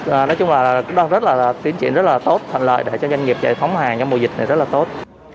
nói chung là tiến triển rất là tốt thận lợi để cho doanh nghiệp giải thống hàng trong mùa dịch này rất là tốt